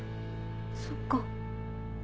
そっか。